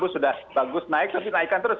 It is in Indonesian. delapan sudah bagus naik tapi naikkan terus